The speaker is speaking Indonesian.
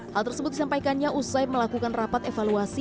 hal tersebut disampaikannya usai melakukan rapat evaluasi